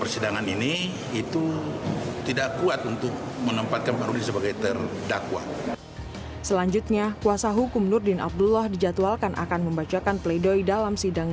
selanjutnya kuasa hukum nurdin abdullah dijadwalkan akan membacakan pleidoy dalam sidang